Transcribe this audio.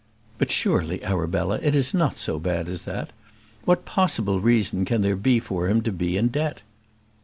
"But, surely, Arabella, it is not so bad as that? What possible reason can there be for him to be in debt?"